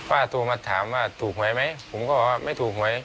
ว่าโทรมาถามว่าถูกหวยไหมผมก็บอกว่าไม่ถูกหวย